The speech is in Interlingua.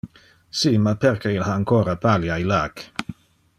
Si, ma perque il ha ancora palea illac?